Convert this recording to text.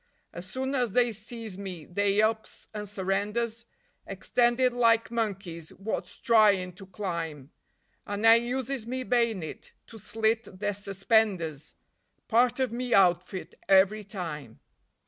As soon as they sees me they ups and surrenders, Extended like monkeys wot's tryin' to climb; And I uses me bay'nit to slit their suspenders Part of me outfit every time.